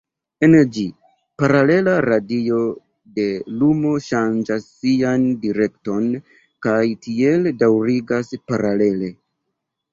En ĝi, paralela radio de lumo ŝanĝas sian direkton kaj tiel daŭrigas paralele.